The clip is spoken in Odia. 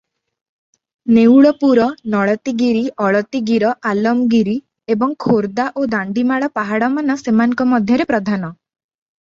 ନେଉଳପୁର, ନଳତୀଗିରି, ଅଳତୀଗିର, ଆଲମଗିରି ଏବଂ ଖୋର୍ଦ୍ଧା ଓ ଦାଣ୍ଡିମାଳ ପାହାଡ଼ମାନ ସେମାନଙ୍କ ମଧ୍ୟରେ ପ୍ରଧାନ ।